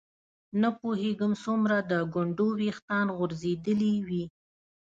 نه پوهېږم څومره د ګونډو ویښتان غورځېدلي وي.